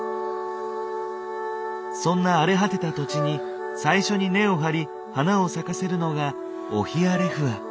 そんな荒れ果てた土地に最初に根を張り花を咲かせるのがオヒアレフア。